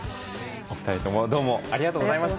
お二人ともどうもありがとうございました。